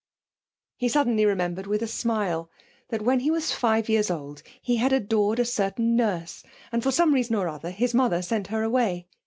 He suddenly remembered with a smile that when he was five years old he had adored a certain nurse, and for some reason or other his mother sent her away.